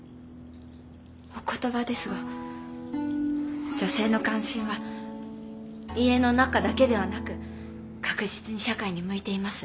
お言葉ですが女性の関心は家の中だけではなく確実に社会に向いています。